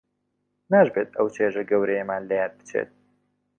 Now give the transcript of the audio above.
ناشبێت ئەو چێژە گەورەیەمان لە یاد بچێت